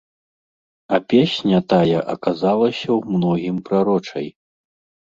А песня тая аказалася ў многім прарочай.